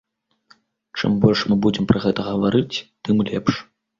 Чым больш мы будзем пра гэта гаварыць, тым лепш.